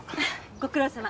ご苦労さま。